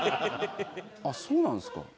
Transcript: あっそうなんですか。